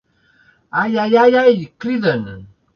Ai, ai, ai, ai! —criden.